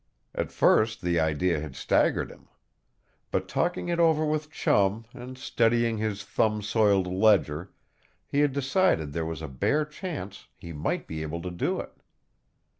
At first the idea had staggered him. But talking it over with Chum and studying his thumbed soiled ledger, he had decided there was a bare chance he might be able to do it.